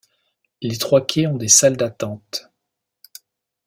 Les trois quais ont des salles d'attente.